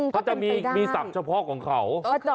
เขาจะมีศัพท์เฉพาะของเขา